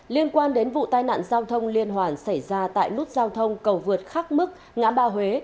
liên quan đến vụ tai nạn giao thông liên hoàn xảy ra tại nút giao thông cầu vượt khắc mức ngã ba huế